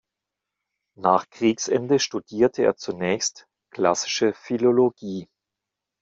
Nach Kriegsende studierte er zunächst Klassische Philologie.